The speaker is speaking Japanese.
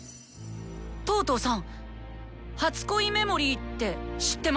トートーさん「初恋メモリー」って知ってます？